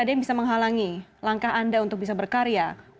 untuk bisa menunjukkan bahwa prestasi anda untuk bisa menunjukkan bahwa prestasi anda